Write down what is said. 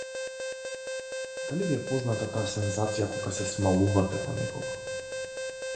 Дали ви е позната таа сензација кога се смалувате во некого?